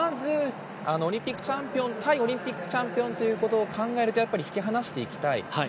オリンピックチャンピオン対オリンピックチャンピオンと考えると引き離していきたい。